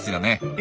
え？